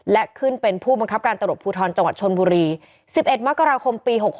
และขึ้นเป็นผู้บังคับการตำรวจภูทรจังหวัดชนบุรี๑๑มกราคมปี๖๖